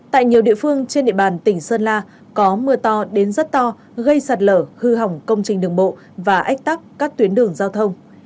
tại nhiều địa phương trên địa bàn tỉnh sơn la có mưa to đến rất to gây sạt lở hư hỏng công trình đường bộ và ách tắc các tuyến đường giao thông